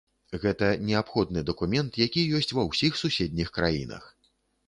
Гэта неабходны дакумент, які ёсць ва ўсіх суседніх краінах.